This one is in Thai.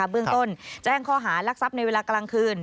เบื้องต้นแจ้งข้อหารักทรัพย์ในเวลากลางคืน